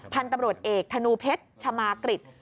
พันธุ์ตำรวจเอกธนูเพชรชมากริจ